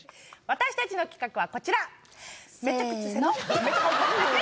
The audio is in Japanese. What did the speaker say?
私たちの企画はこちら。